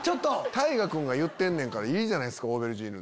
太賀君が言ってんねんからいいじゃないですかオーベルジーヌで。